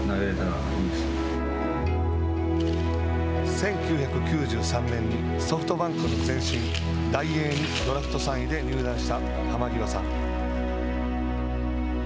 １９９３年にソフトバンクの前身ダイエーにドラフト３位で入団した濱涯さん。